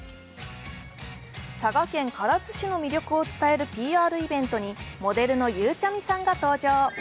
佐賀県唐津市の魅力を伝えるＰＲイベントに、モデルのゆうちゃみさんが登場。